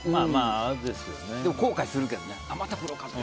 後悔するけどね。